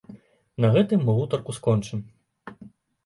На гэтым мы гутарку скончым.